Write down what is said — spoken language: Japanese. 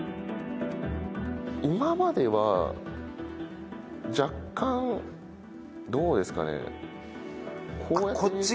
今までは若干どうですかね、こうやって。